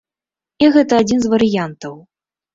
І гэта адзін з варыянтаў.